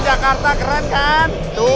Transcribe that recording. jakarta keren kan